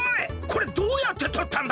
これどうやってとったんだ！？